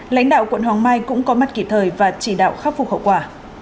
lãnh đạo quận hoàng mai cũng có mặt kỷ thời và chỉ đạo khắc phục hậu quả